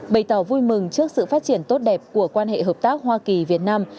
bày tỏ vui mừng trước sự phát triển tốt đẹp của quan hệ hợp tác hoa kỳ việt nam